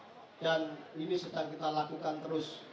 dan ini sudah kita lakukan terus